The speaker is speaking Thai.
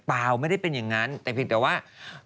เปล่าไม่ได้เป็นอย่างนั้นแต่เพียงแต่ว่า